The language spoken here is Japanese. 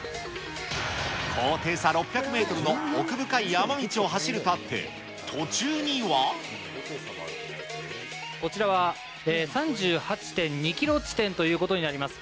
高低差６００メートルの奥深い山道を走るとあって、途中には。こちらは３８．２キロ地点ということになります。